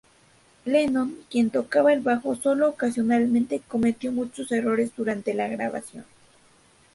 Lennon, quien tocaba el bajo solo ocasionalmente, cometió muchos errores durante la grabación.